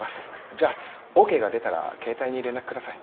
じゃあＯＫが出たら携帯に連絡下さい。